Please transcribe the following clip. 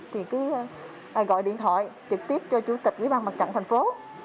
thì cứ gọi điện thoại trực tiếp cho chủ tịch quy bàn mặt trận thành phố